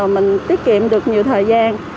mình tiết kiệm được nhiều thời gian